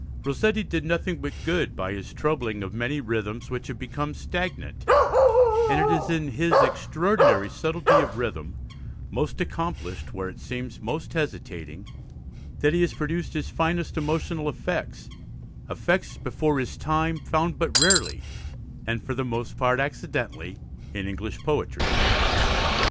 Rossetti did nothing but good by his troubling of many rhythms which had become stagnant, and it is in his extraordinary subtlety of rhythm, most accomplished where it seems most hesitating, that he has produced his finest emotional effects, effects before his time found but rarely, and for the most part accidentally, in English poetry.